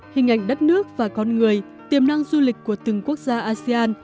hình ảnh đất nước và con người tiềm năng du lịch của từng quốc gia asean